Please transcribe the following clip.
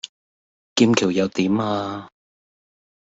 劍橋又點呀?